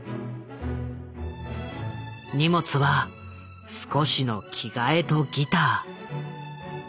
荷物は少しの着替えとギター。